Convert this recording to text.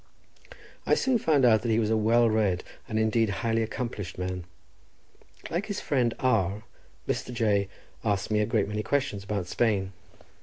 I soon found out that he was a well read and indeed highly accomplished man. Like his friend R—, Mr. J— asked me a great many questions about Spain.